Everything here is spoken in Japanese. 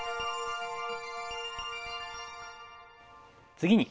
次に